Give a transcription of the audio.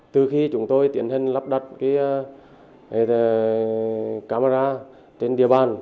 từ khi chúng tôi tiến hành lắp đặt camera trên địa bàn